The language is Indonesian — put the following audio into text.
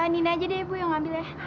nina aja deh ibu yang ambil ya